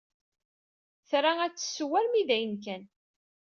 Tra ad tesseww armi dayen kan.